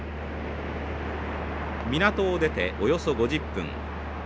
港を出ておよそ５０分。